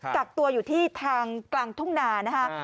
กักตัวอยู่ที่ทางกลางทุ่งนานะคะ